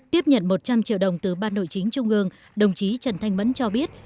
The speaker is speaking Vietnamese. tiếp nhận một trăm linh triệu đồng từ ban nội chính trung ương đồng chí trần thanh mẫn cho biết